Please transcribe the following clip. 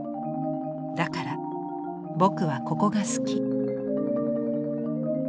だからぼくはここがすき」。